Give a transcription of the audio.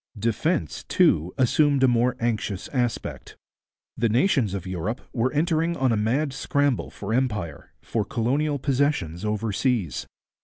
Defence, too, assumed a more anxious aspect. The nations of Europe were entering on a mad scramble for empire, for colonial possessions overseas.